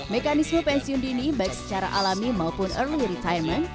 mekanisme pensiun dini baik secara alami maupun early retimon